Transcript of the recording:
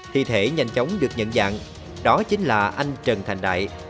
thi thể nhanh chóng được nhận dạng đó chính là anh trần thành đại